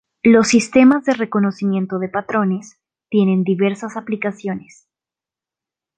Los sistemas de reconocimiento de patrones tienen diversas aplicaciones.